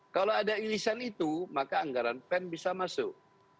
kalau ada irisan itu maka anggaran pen bisa masuk